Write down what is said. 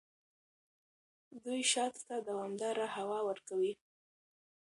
دوی شاتو ته دوامداره هوا ورکوي.